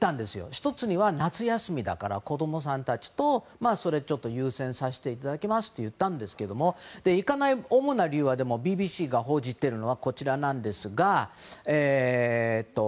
１つは、夏休みだから子供さんたちと優先させていただきますと言ったんですけど行かない主な理由としてＢＢＣが報じているのは。